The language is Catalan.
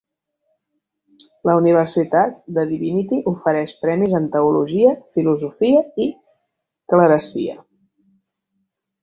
La Universitat de Divinity ofereix premis en teologia, filosofia i clerecia.